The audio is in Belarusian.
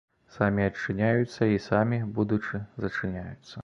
Самі адчыняюцца і самі, будучы, зачыняюцца.